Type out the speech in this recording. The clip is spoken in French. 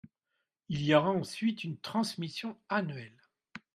Il y aura ensuite une transmission annuelle.